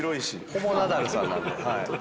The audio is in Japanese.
ほぼナダルさんなんで。